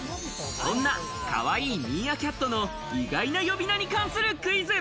そんなかわいいミーアキャットの意外な呼び名に関するクイズ。